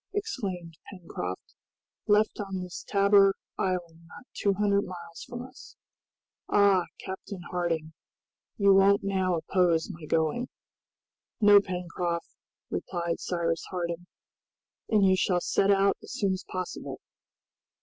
exclaimed Pencroft; "left on this Tabor Island not two hundred miles from us! Ah, Captain Harding, you won't now oppose my going." "No, Pencroft," replied Cyrus Harding; "and you shall set out as soon as possible."